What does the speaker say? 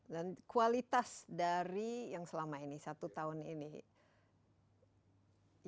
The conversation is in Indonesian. dan kualitas dari yang selama ini satu tahun ini